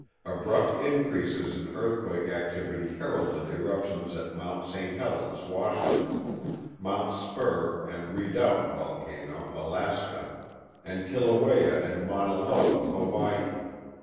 Abrupt increases in earthquake activity heralded eruptions at Mount St. Helens, Washington; Mount Spurr and Redoubt Volcano, Alaska; and Kilauea and Mauna Loa, Hawaii.